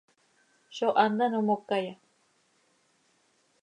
¿Zó hant ano mocaya?